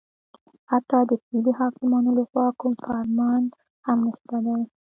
حتی د فعلي حاکمانو لخوا کوم فرمان هم نشته دی